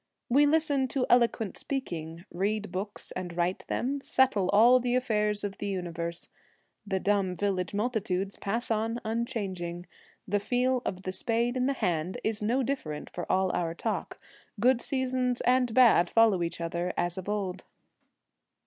We listen to eloquent speaking, read books and write them, settle all the affairs of the universe. The dumb village multitudes pass on unchanging ; the feel of the spade in the hand is no different for all our talk : good seasons and bad follow each other as of old.